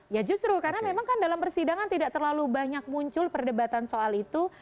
ya justru karena memang kan dalam persidangan tidak terlalu banyak muncul perdebatan soal itu